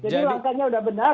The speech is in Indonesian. jadi langkahnya sudah benar